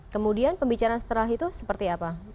kemudian pembicaraan setelah itu seperti apa